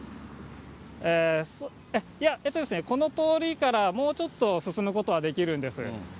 いや、この通りから、もうちょっと進むことはできるんです。